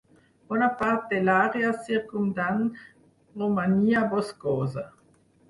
Bona part de l'àrea circumdant romania boscosa.